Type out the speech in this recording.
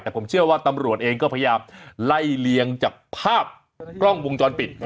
แต่ผมเชื่อว่าตำรวจเองก็พยายามไล่เลียงจากภาพกล้องวงจรปิด